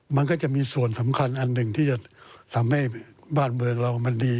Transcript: มันก็จะมีส่วนสำคัญอันหนึ่งที่จะทำให้บ้านเมืองเรามันดี